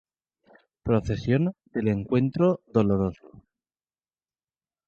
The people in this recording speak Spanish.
Procesión del Encuentro Doloroso.